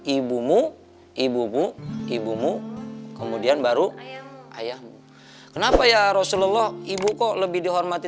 ibumu ibu ibu ibumu kemudian baru ayahmu kenapa ya rasulullah ibu kok lebih dihormati